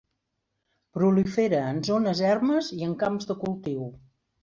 Prolifera en zones ermes i en camps de cultiu.